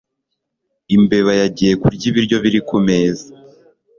Imbeba yagiye kurya ibiryo biri kumeza.